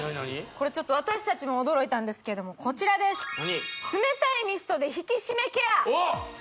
これちょっと私達も驚いたんですけどもこちらです冷たいミストで引き締めケア！